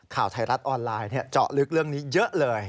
ข่าวไทยรัฐออนไลน์เจาะลึกเรื่องนี้เยอะเลย